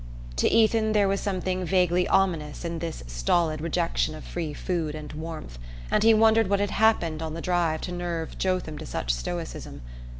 To Ethan there was something vaguely ominous in this stolid rejection of free food and warmth, and he wondered what had happened on the drive to nerve Jotham to such stoicism.